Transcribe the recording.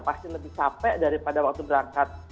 pasti lebih capek daripada waktu berangkat